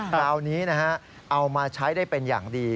คราวนี้นะฮะเอามาใช้ได้เป็นอย่างดี